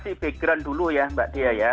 saya ingin kasih pikiran dulu ya mbak tia ya